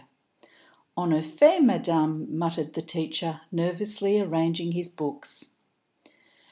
"En effet, madame," muttered the teacher, nervously arranging his books.